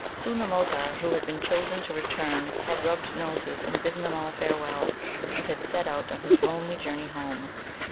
Soon the Mulgar who had been chosen to return had rubbed noses and bidden them all farewell, and had set out on his lonely journey home.